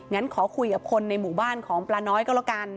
งั้นขอคุยกับคนในหมู่บ้านของปลาน้อยก็แล้วกัน